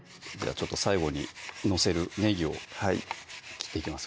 ちょっと最後に載せるねぎを切っていきます